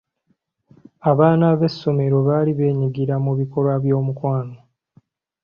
Abaana b'essomero baali beenyigira mu bikolwa by'omukwano.